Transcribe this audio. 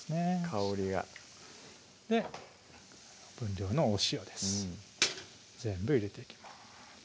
香りが分量のお塩です全部入れていきます